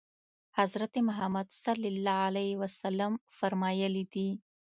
حضرت محمد صلی الله علیه وسلم فرمایلي دي.